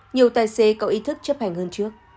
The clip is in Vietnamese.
nhiều tài xế có ý thức chấp hành hơn trước